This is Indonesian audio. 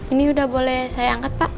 ini udah boleh saya angkat pak